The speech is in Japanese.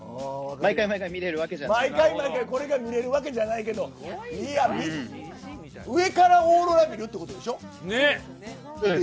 毎回毎回、これが見れるわけじゃないけど、上からオーロラ見るってことでしょ？